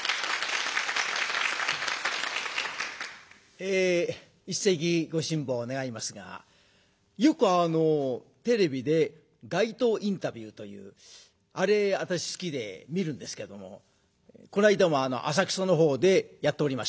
え一席ご辛抱願いますがよくあのテレビで街頭インタビューというあれ私好きで見るんですけどもこないだも浅草のほうでやっておりました。